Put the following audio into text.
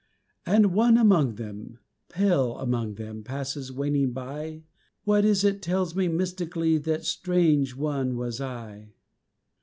And, one among them pale among them Passes waning by. What is it tells me mystically That strange one was I?...